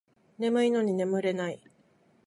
眠いのに寝れない